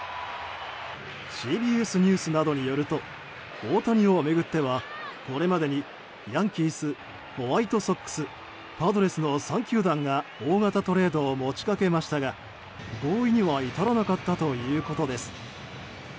ＣＢＳニュースなどによると大谷を巡ってはこれまでにヤンキース、ホワイトソックスパドレスの３球団が大型トレードを持ちかけましたが合意には至らなかったということです。